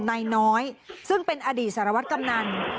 นายน้อยซึ่งเป็นอดีตสารวัตรกำนัน